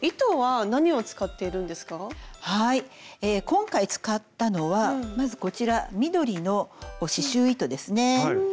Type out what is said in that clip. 今回使ったのはまずこちら緑の刺しゅう糸ですね。